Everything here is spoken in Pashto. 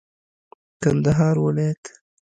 کندهار ولايت